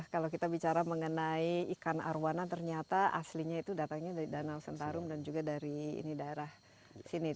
kalau kita bicara mengenai ikan arowana ternyata aslinya itu datangnya dari danau sentarum dan juga dari daerah sini